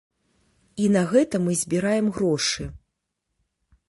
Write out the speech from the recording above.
І на гэта мы збіраем грошы.